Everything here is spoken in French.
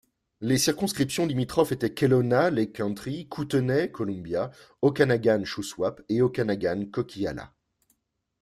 Les circonscriptions limitrophes étaient Kelowna—Lake Country, Kootenay—Columbia, Okanagan—Shuswap et Okanagan—Coquihalla.